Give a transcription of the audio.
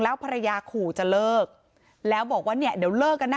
ภรรยาขู่จะเลิกแล้วบอกว่าเนี่ยเดี๋ยวเลิกกันนะ